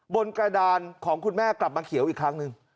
บนกระดานของคุณแม่กลับมาเขียวอีกครั้งหนึ่ง